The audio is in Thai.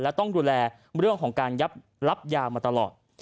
และต้องดูแลเรื่องของการรับยามาตลอด